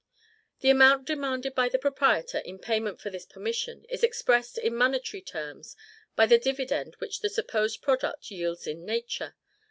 The amount demanded by the proprietor, in payment for this permission, is expressed in monetary terms by the dividend which the supposed product yields in nature.